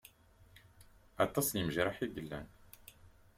Aṭas n imejraḥ i yellan.